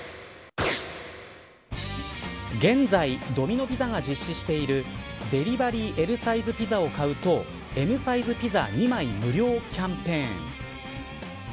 現在ドミノ・ピザが実施しているデリバリーＬサイズピザを買うとＭサイズピザ２枚無料キャンペーン